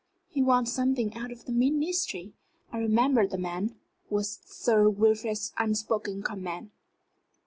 "He wants something out of the ministry. I remember the man," was Sir Wilfrid's unspoken comment.